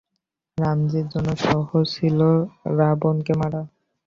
রামজির জন্য সহজ ছিলো রাবণকে মারা।